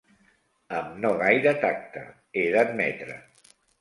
Amb no gaire tacte, he d'admetre.